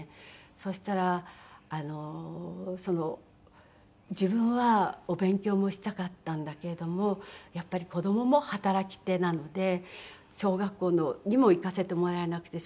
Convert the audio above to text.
そしたら自分はお勉強もしたかったんだけれどもやっぱり子供も働き手なので小学校にも行かせてもらえなくて。